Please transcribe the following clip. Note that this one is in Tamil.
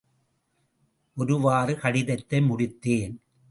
ஒருவாறு கடிதத்தை முடித்தேன்.